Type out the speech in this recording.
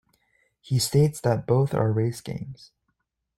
He states that both are race games.